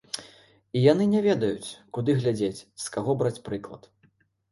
І яны не ведаюць, куды глядзець, з каго браць прыклад.